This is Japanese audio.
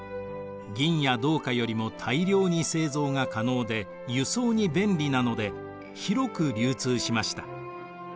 銀や銅貨よりも大量に製造が可能で輸送に便利なので広く流通しました。